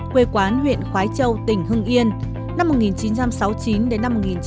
quê quán huyện khói châu tỉnh hưng yên